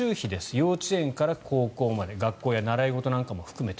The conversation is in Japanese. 幼稚園から高校まで学校や習い事なんかも含めて。